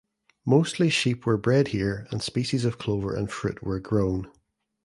Mostly sheep were bred here and species of clover and fruit were grown.